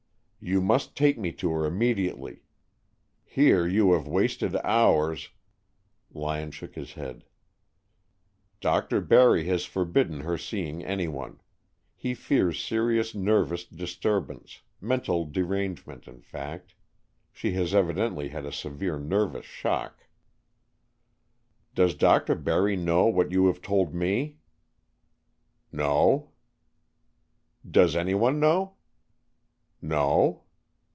"You must take me to her immediately. Here you have wasted hours " Lyon shook his head. "Dr. Barry has forbidden her seeing anyone. He fears serious nervous disturbance, mental derangement, in fact. She has evidently had a severe nervous shock." "Does Dr. Barry know what you have told me?" "No." "Does anyone know?" "No."